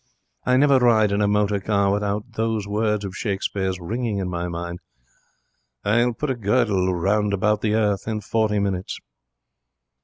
I never ride in a motor car without those words of Shakespeare's ringing in my mind: "I'll put a girdle round about the earth in forty minutes."'